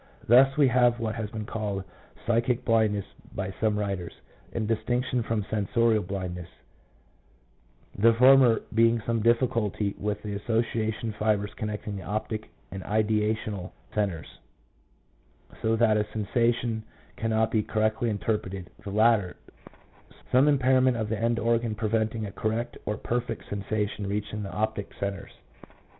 Thus we have what has been called psychic blindness by some writers, in distinction from sensorial blindness, 3 the former being some difficulty with the association fibres connecting the optic and ideational centres, so that a sensation cannot be correctly interpreted ; the latter, some impairment of the end organ prevent ing a correct or perfect sensation reaching the optic centres.